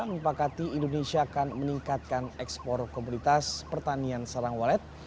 mempakati indonesia akan meningkatkan ekspor komoditas pertanian sarang walet